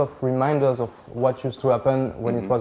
ห้องนี้มีเกี่ยวกับสิ่งที่เกิดเกิดขึ้น